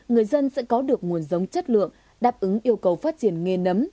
người dân sẽ có được nguồn giống chất lượng đáp ứng yêu cầu phát triển nghề nấm